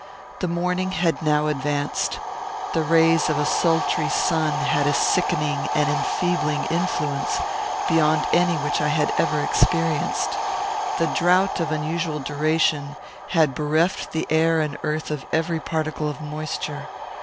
The morning had now advanced. The rays of a sultry sun had a sickening and enfeebling influence beyond any which I had ever experienced. The drought of unusual duration had bereft the air and the earth of every particle of moisture.